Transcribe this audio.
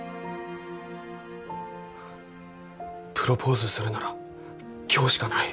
プロポーズするなら今日しかない！